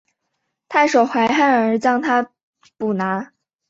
太守怀恨而将他捕拿。